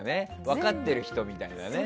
分かっている人みたいなね。